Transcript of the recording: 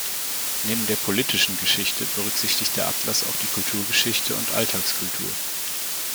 Neben der politischen Geschichte berücksichtigt der Atlas auch die Kulturgeschichte und Alltagskultur.